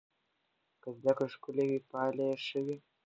که زده کړه ښکلې وي پایله یې ښه وي.